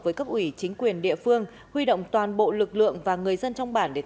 với cấp ủy chính quyền địa phương huy động toàn bộ lực lượng và người dân trong bản để